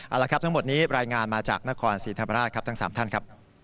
เอาละครับทั้งหมดนี้รายงานมาจากนครศรีธรรมราชครับทั้ง๓ท่านครับ